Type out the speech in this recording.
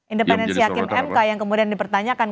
independensi hakim mk yang kemudian dipertanyakan